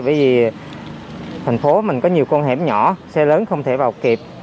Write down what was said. bởi vì thành phố mình có nhiều con hẻm nhỏ xe lớn không thể vào kịp